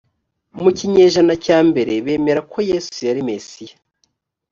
mu kinyejana cya mbere bemera ko yesu yari mesiya